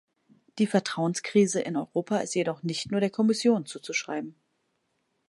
Die Vertrauenskrise in Europa ist jedoch nicht nur der Kommission zuzuschreiben.